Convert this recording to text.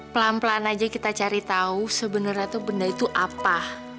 pelan pelan aja kita cari tahu sebenarnya itu benda itu apa